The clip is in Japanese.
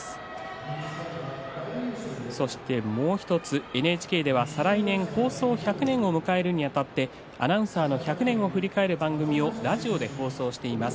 そしてもう１つＮＨＫでは再来年放送１００年を迎えるにあたってアナウンサーの１００年を振り返る番組をラジオで放送しています。